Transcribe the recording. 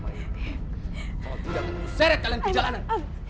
kalau tidak aku seret kalian ke jalanan